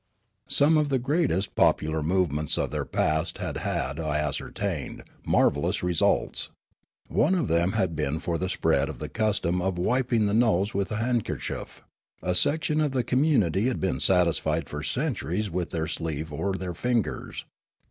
Some of the greatest popular movements of their past had had, I ascertained, marvellous results. One of them had been for the spread of the custom of wiping the nose with a handkerchief ; a section of the com munity had been satisfied for centuries with their sleeve or their fingers.